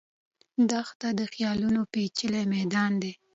دښته د خیالونو پېچلی میدان دی.